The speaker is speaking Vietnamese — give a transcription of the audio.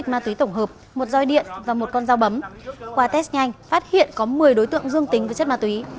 một trăm linh cá ma túy tổng hợp một roi điện và một con dao bấm qua test nhanh phát hiện có một mươi đối tượng dương tính với chất ma túy